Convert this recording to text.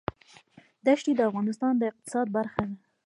دښتې د افغانستان د اقتصاد برخه ده.